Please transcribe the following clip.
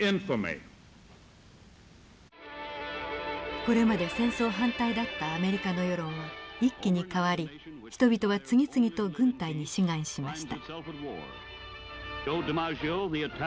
これまで戦争反対だったアメリカの世論は一気に変わり人々は次々と軍隊に志願しました。